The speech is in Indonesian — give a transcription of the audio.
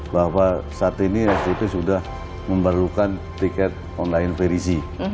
saat ini isdp sudah membarukan tiket online verisi